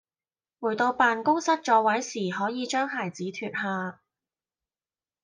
回到辦公室座位時可以將鞋子脫下